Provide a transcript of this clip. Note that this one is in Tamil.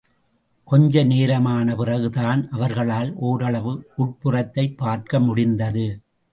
கொஞ்ச நேரமான பிறகு தான் அவர்களால் ஓரளவு உட்புறத்தைப் பார்க்க முடிந்தது.